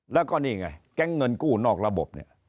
แล้วก็นี่ไงแก๊งเงินกู้นอกระบบเนี่ย